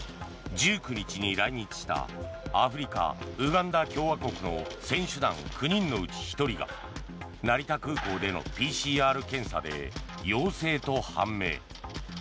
１９日に来日したアフリカ・ウガンダ共和国の選手団９人のうち１人が成田空港でのＰＣＲ検査で陽性と判明。